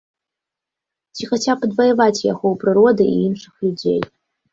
Ці хаця б адваяваць яго ў прыроды і іншых людзей.